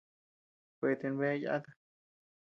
Kueten bea yáta.